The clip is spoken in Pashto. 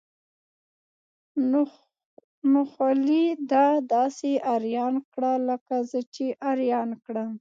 نو خولي ده داسې اریان کړه لکه زه چې اریان کړم.